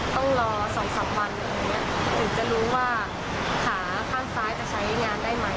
ต้องรอ๒๓วันถึงจะรู้ว่าขาข้างซ้ายจะใช้งานได้ไหม